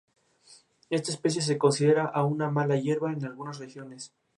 Para ello, protege al pequeño propietario de terrenos a costa de dificultar la construcción.